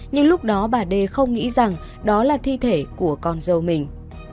nhưng lúc đó bà đê không nghĩ rằng đó là thi thể của con dâu mình